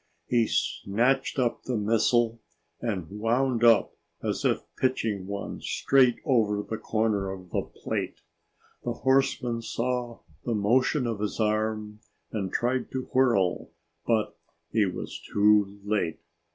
He snatched up the missile and wound up as if pitching one straight over the corner of the plate. The horseman saw the motion of his arm and tried to whirl, but he was too late.